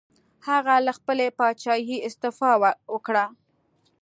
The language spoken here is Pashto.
هغه له خپلې پاچاهۍ استعفا وکړه.